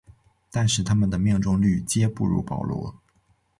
但是它们的命中率皆不如保罗。